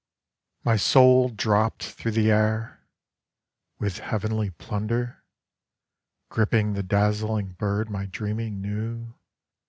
My soul dropped through the air—with heavenly plunder?—Gripping the dazzling bird my dreaming knew?